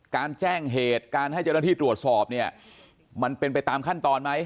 แจ้งเหตุการให้เจ้าหน้าที่ตรวจสอบเนี่ยมันเป็นไปตามขั้นตอนไหม